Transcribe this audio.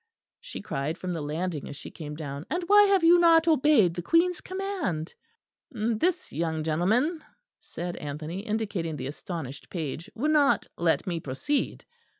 she cried from the landing as she came down, "and why have you not obeyed the Queen's command?" "This young gentleman," said Anthony, indicating the astonished page, "would not let me proceed."